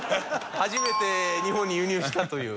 初めて日本に輸入したという。